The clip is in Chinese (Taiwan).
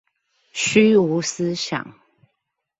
虛無思想